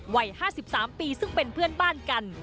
วัย๕๓ปีซึ่งเป็นเพื่อนบ้านกัน